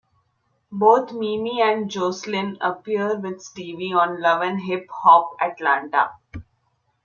Both Mimi and Joseline appear with Stevie on "Love and Hip Hop: Atlanta".